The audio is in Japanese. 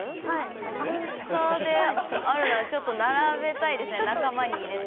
アクスタであるのならちょっと並べたいですね、仲間に入れて。